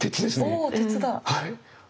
おお鉄だ！